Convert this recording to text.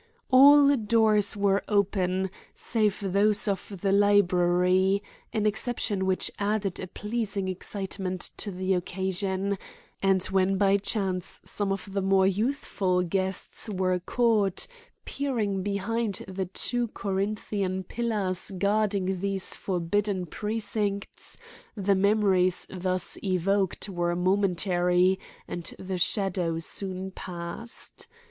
All doors were open save those of the library—an exception which added a pleasing excitement to the occasion—and when by chance some of the more youthful guests were caught peering behind the two Corinthian pillars guarding these forbidden precincts the memories thus evoked were momentary and the shadow soon passed.